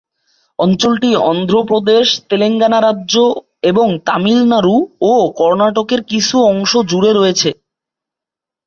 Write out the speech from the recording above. অঞ্চলটি অন্ধ্র প্রদেশ, তেলেঙ্গানা রাজ্য এবং তামিলনাড়ু ও কর্ণাটকের কিছু অংশ জুড়ে রয়েছে।